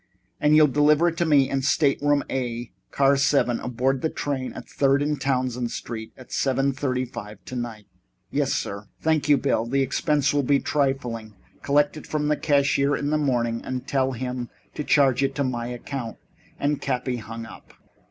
"And you'll deliver it to me in stateroom A, car 7, aboard the train at Third and Townsend Streets, at seven fifty five tonight?" "Yes, sir." "Thank you, Bill. The expense will be trifling. Collect it from the cashier in the morning, and tell him to charge it to my account." And Cappy hung up.